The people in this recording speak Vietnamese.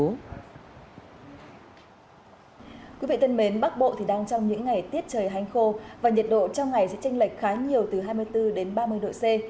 nam bộ đang trong những ngày tiết trời hanh khô và nhiệt độ trong ngày sẽ tranh lệch khá nhiều từ hai mươi bốn đến ba mươi độ c